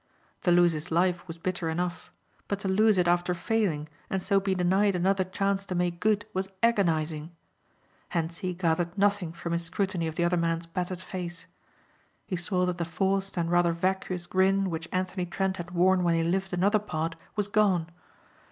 To lose his life was bitter enough; but to lose it after failing and so be denied another chance to make good was agonizing. Hentzi gathered nothing from his scrutiny of the other man's battered face. He saw that the forced and rather vacuous grin which Anthony Trent had worn when he lived another part was gone.